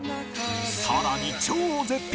さらに超絶品！